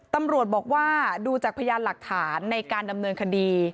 ตำรวจบอกว่าดูจากพยานหลักฐานในการดำเนินคดี